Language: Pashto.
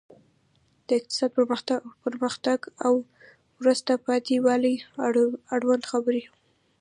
د اقتصادي پرمختګ او وروسته پاتې والي اړوند خبرونه.